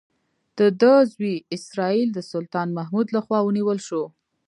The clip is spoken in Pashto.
د ده زوی اسراییل د سلطان محمود لخوا ونیول شو.